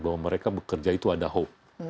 bahwa mereka bekerja itu ada hoax